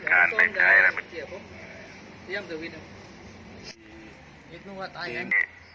กองทางรัฐการณ์ไม่ใช้แล้ว